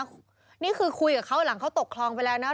นี่คือคุยกับเขาหลังเขาตกคลองไปแล้วนะ